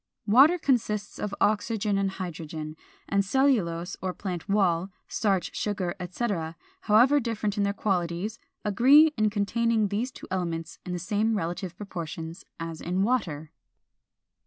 Water consists of oxygen and hydrogen; and cellulose or plant wall, starch, sugar, etc., however different in their qualities, agree in containing these two elements in the same relative proportions as in water.